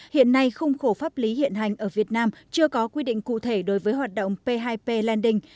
hiện nay khung khổ pháp lý hiện hành ở việt nam chưa có quy định cụ thể đối với hoạt động p hai p lending